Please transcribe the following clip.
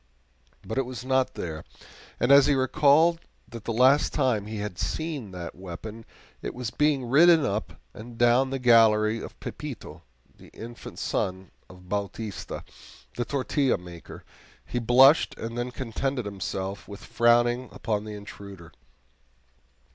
But it was not there, and as he recalled that the last time he had seen that weapon it was being ridden up and down the gallery by Pepito, the infant son of Bautista, the tortilla maker, he blushed and then contented himself with frowning upon the intruder.